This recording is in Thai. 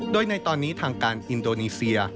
โดยในตอนนี้ทางการอินโดนีเซีย